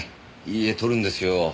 いい画撮るんですよ。